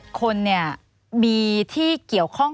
ชั้นของ๘คนเนี่ยมีที่เกี่ยวข้อง